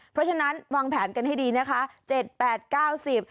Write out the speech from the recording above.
เพราะฉะนั้นวางแผนกันให้ดีนะคะเจ็ดแปดเก้าสิบ